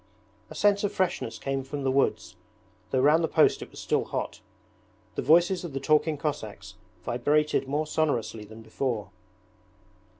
A sense of freshness came from the woods, though round the post it was still hot. The voices of the talking Cossacks vibrated more sonorously than before.